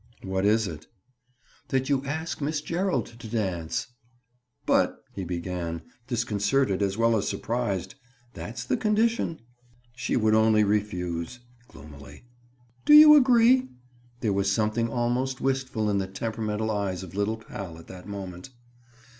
"What is it?" "That you ask Miss Gerald to dance!" "But—" he began, disconcerted as well as surprised. "That's the condition." "She would only refuse." Gloomily. "Do you agree?" There was something almost wistful in the temperamental eyes of little pal at that moment.